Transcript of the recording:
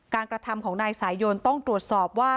กระทำของนายสายยนต้องตรวจสอบว่า